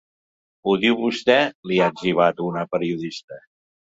Ho diu vostè, li ha etzibat a una periodista.